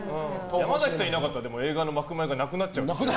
山崎さんいなかったら映画の幕前がなくなっちゃう。